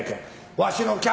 わしの客。